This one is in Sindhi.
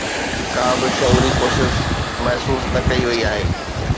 ڪابه شعوري ڪوشش محسوس نه ڪئي وئي آهي